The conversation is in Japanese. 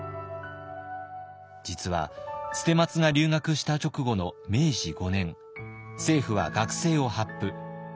実は捨松が留学した直後の明治５年政府は学制を発布。